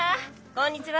こんにちは。